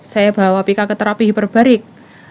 saya bawa pika ke terapi hiperbarik